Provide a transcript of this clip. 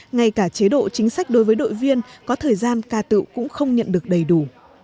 ngay cả chế độ chính sách đối với đội viên có thời gian ca tự cũng không nhận được đầy đủ